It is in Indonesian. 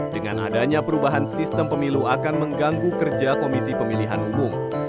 dengan adanya perubahan sistem pemilu akan mengganggu kerja komisi pemilihan umum